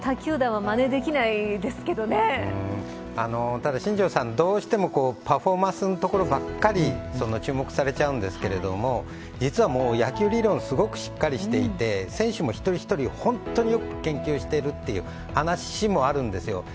ただ新庄さん、どうしてもパフォーマンスのところばかり注目されちゃうんですけれども実は野球理論、すごくしっかりしていて選手も一人一人本当によく研究しているという話もあるんですよ。